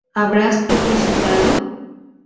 ¿Habrás tu visitado?